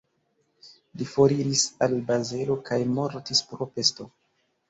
Li foriris al Bazelo kaj mortis pro pesto.